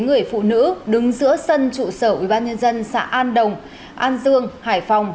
người phụ nữ đứng giữa sân trụ sở ubnd xã an đồng an dương hải phòng